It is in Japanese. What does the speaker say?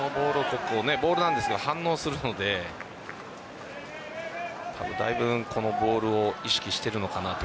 ボールなんですが反応するのでだいぶこのボールを意識しているのかなと。